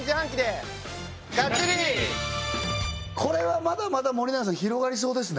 これはまだまだ森永さん広がりそうですね